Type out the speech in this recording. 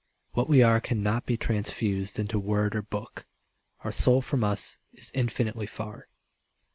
What we are Cannot be transfused into word or book. Our soul from us is infinitely far.